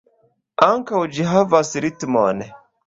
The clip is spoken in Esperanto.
Ankaŭ ĝi havas ritmon.